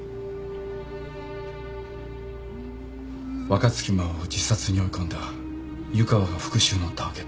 若槻真帆を自殺に追い込んだ湯川が復讐のターゲット。